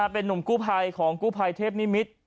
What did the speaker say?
เป็นนุ่มกู้ภัยของกู้ภัยเทพนิมิตร